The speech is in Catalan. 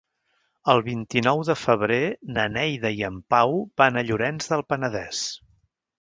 El vint-i-nou de febrer na Neida i en Pau van a Llorenç del Penedès.